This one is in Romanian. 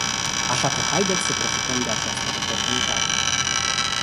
Așa că haideți să profităm de această oportunitate.